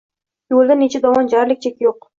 Yo’lda necha dovon, jarlik, cheki yo’q